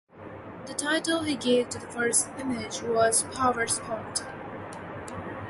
The title he gave to the first image was Power Spot.